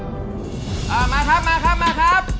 มาครับ